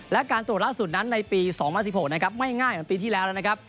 และการตรวจล่าสุดนั้นในปี๒๐๑๖นะครับไม่ง่ายเหมือนปีที่แล้วแล้วนะครับ